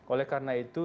oleh karena itu